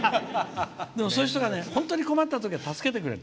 でもそういう人が本当に困ったときは助けてくれる。